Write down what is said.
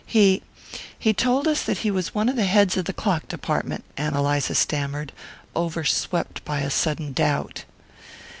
"He he told us that he was one of the heads of the clock department," Ann Eliza stammered, overswept by a sudden doubt.